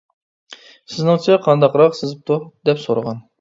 سىزنىڭچە، قانداقراق سىزىپتۇ؟ — دەپ سورىغان.